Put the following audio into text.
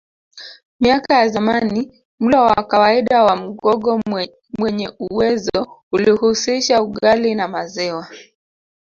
Miaka ya zamani mlo wa kawaida wa Mgogo mwenye uwezo ulihusisha ugali na maziwa